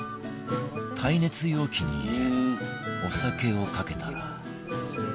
耐熱容器に入れお酒をかけたら